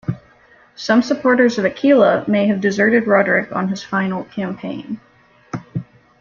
Some supporters of Achila may have deserted Roderic on his final campaign.